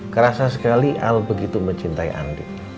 kerasa sekali al begitu mencintai andi